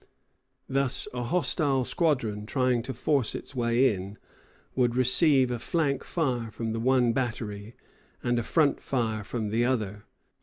Thus a hostile squadron trying to force its way in would receive a flank fire from the one battery, and a front fire from the other.